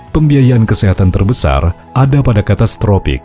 pembiayaan kesehatan terbesar ada pada kata stropik